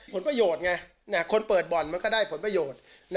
ผลประโยชน์ไงคนเปิดบ่อนมันก็ได้ผลประโยชน์